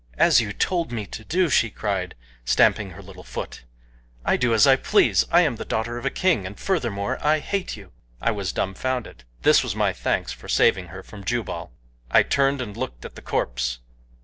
"As you told me to do!" she cried, stamping her little foot. "I do as I please. I am the daughter of a king, and furthermore, I hate you." I was dumbfounded this was my thanks for saving her from Jubal! I turned and looked at the corpse.